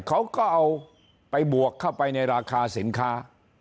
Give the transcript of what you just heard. เขาก็เอาไปบวกเข้าไปในราคาสินค้า